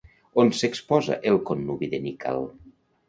On s'exposa el connubi de Nikkal?